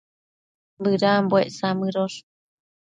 Bëdambuec samëdosh